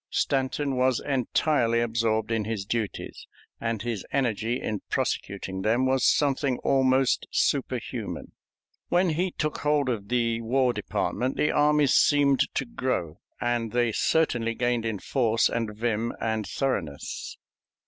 Stanton was entirely absorbed in his duties, and his energy in prosecuting them was something almost superhuman. When he took hold of the War Department the armies seemed to grow, and they certainly gained in force and vim and thoroughness.